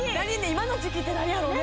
今の時期って何やろね？